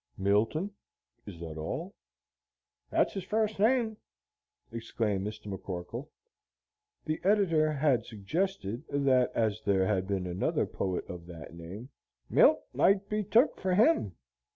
"Milton; is that all?" "Thet's his furst name," exclaimed Mr. McCorkle. The editor here suggested that as there had been another poet of that name "Milt might be took for him!